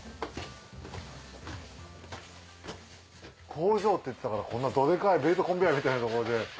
工場っていったらこんなドデカいベルトコンベヤーみたいな所で。